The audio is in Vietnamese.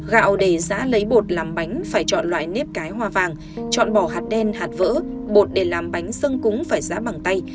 gạo để giã lấy bột làm bánh phải chọn loại nếp cái hoa vàng chọn bỏ hạt đen hạt vỡ bột để làm bánh xưng cúng phải giã bằng tay